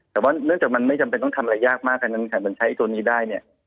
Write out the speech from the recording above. แต่ว่าเนื้อจากมันไม่จำเป็นต้องทำอะไรยากงั้นถ้าใช้วิธีแบบนี้ได้